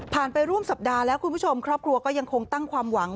ไปร่วมสัปดาห์แล้วคุณผู้ชมครอบครัวก็ยังคงตั้งความหวัง